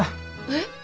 えっ？